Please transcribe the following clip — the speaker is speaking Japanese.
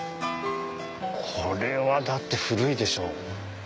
これはだって古いでしょう。